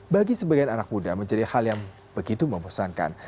bagi sebagian anak muda menjadi hal yang begitu membosankan